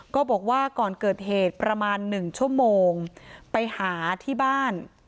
ก็บอกว่าก่อนเกิดเหตุประมาณ๑ชั่วโมงไปหาที่บ้าน